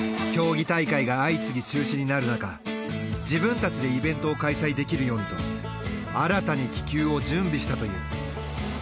競技大会が相次ぎ中止になるなか自分たちでイベントを開催できるようにと新たに気球を準備したという。